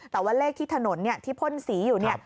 แต่ว่าเลขที่ถนนที่พ่นสีอยู่เนี่ย